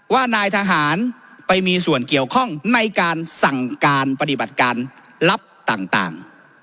ว่านายทหารไปมีส่วนเกี่ยวข้องในการสั่งการปฏิบัติการลับต่าง